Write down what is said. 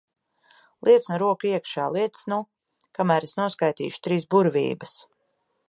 Liec nu roku iekšā, liec nu! Kamēr es noskaitīšu trīs burvības.